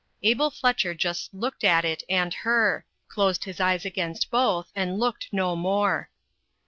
Abel Fletcher just looked at it and her closed his eyes against both, and looked no more.